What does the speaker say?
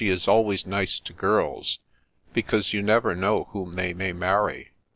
79 is always nice to girls, because "you never know whom they may marry."